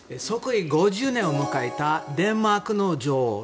即位５０年を迎えたデンマークの女王。